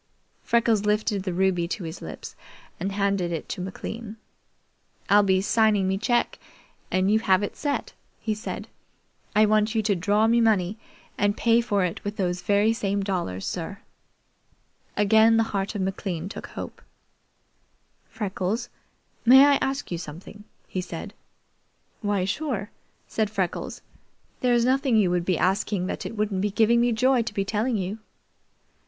Freckles lifted the ruby to his lips and handed it to McLean. "I'll be signing me cheque and you have it set," he said. "I want you to draw me money and pay for it with those very same dollars, sir." Again the heart of McLean took hope. "Freckles, may I ask you something?" he said. "Why, sure," said Freckles. "There's nothing you would be asking that it wouldn't be giving me joy to be telling you."